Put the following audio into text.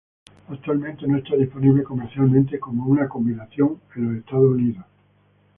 Actualmente no está disponible comercialmente como una combinación en los Estados Unidos.